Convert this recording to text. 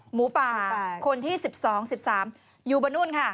หมูป่าคนที่๑๒๑๓อยู่บนนู่นค่ะ